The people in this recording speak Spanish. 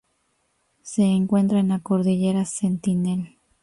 Se encuentra en la cordillera Sentinel.